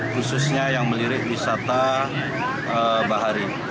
khususnya yang melirik wisata bahari